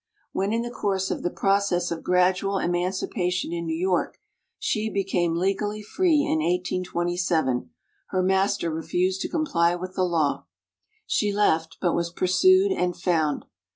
When in the course of the process of gradual emancipation in New York she became le gally free in 1827, her master refused to comply with the law. She left, but was pursued and found.